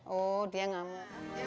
oh dia ngamuk